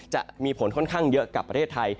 จะมีผลค่อนข้างเยอะกับประเทศไทย